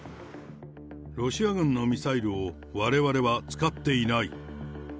ロシア軍のミサイルをわれわれは使っていない。